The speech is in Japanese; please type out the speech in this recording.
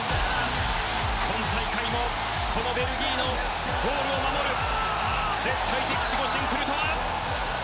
今大会もこのベルギーのゴールを守る絶対的守護神クルトワ。